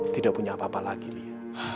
tidak punya apa apa lagi lia